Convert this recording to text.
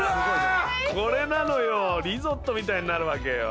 これなのよリゾットみたいになるわけよ。